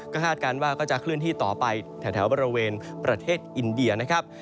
ก็คาดการณ์ว่าก็จะเคลื่อนที่ต่อไปแถวบริเวณประเทศอินเดียนะครับ